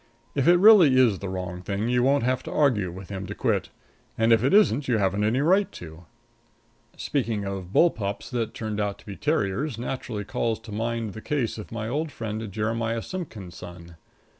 If it really is the wrong thing you won't have to argue with him to quit, and if it isn't you haven't any right to. Speaking of bull pups that turned out to be terriers naturally calls to mind the case of my old friend Jeremiah Simpkins' son.